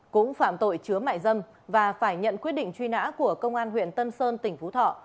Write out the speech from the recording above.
cũng phạm tội chứa mại dâm và phải nhận quyết định truy nã của công an huyện tân sơn tỉnh phú thọ